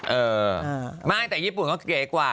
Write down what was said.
เออไม่แต่ญี่ปุ่นเขาเก๋กว่า